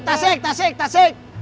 tasik tasik tasik